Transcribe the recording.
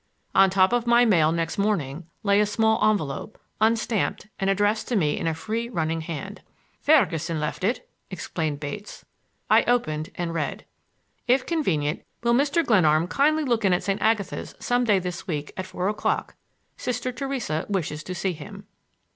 On top of my mail next morning lay a small envelope, unstamped, and addressed to me in a free running hand. "Ferguson left it," explained Bates. I opened and read: If convenient will Mr. Glenarm kindly look in at St. Agatha's some day this week at four o'clock. Sister Theresa wishes to see him.